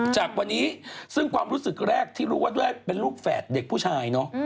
จากวันนี้ซึ่งความรู้สึกแรกที่รู้ว่าด้วยเป็นลูกแฝดเด็กผู้ชายเนอะ